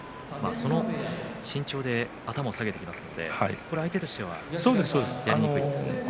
その身長で頭を下げてきますから相手はやりにくいですね。